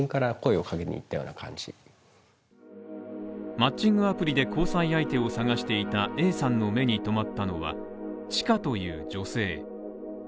マッチングアプリで交際相手を探していたＡさんの目に留まったのはちかという女性。